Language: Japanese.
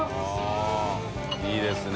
◆舛いいですね。